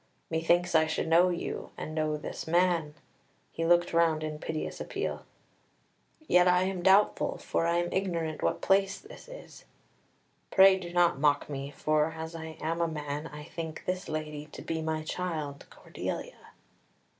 Methinks I should know you, and know this man" he looked round in piteous appeal "yet I am doubtful, for I am ignorant what place this is.... Pray do not mock me, for, as I am a man, I think this lady to be my child Cordelia."